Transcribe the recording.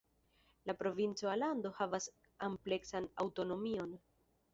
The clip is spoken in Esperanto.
La provinco Alando havas ampleksan aŭtonomion.